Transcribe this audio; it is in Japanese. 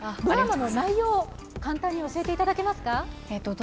ドラマの内容を簡単に教えていただけますか？